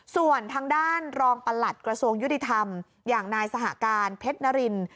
ส่วนทางด้านรองประหลัดกระทรวงยุติธรรมอย่างนายสหการเพชรนริน